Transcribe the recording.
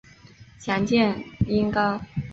详见音高。